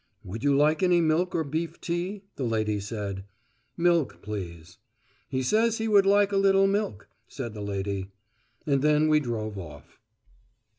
"Would you like any milk or beef tea?" the lady said. "Milk, please." "He says he would like a little milk," said the lady. And then we drove off.